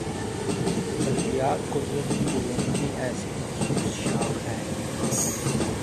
فلکیات قُدرتی علوم کی ایک ایسی مخصُوص شاخ ہے